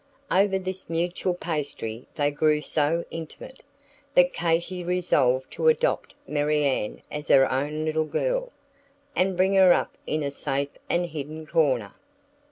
Over this mutual pastry they grew so intimate, that Katy resolved to adopt Marianne as her own little girl, and bring her up in a safe and hidden corner.